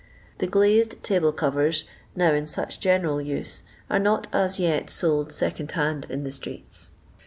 The glazed table eovertf now in such general use, are not as yet sold second hand in the streets.